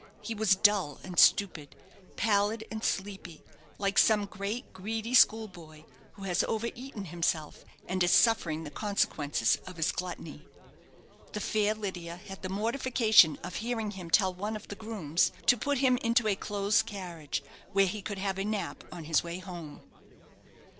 He was dull and stupid, pallid and sleepy; like some great, greedy school boy who has over eaten himself, and is suffering the consequences of his gluttony. The fair Lydia had the mortification of hearing him tell one of the grooms to put him into a close carriage, where he could have a nap on his way home.